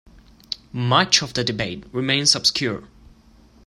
Much of the debate remains obscure.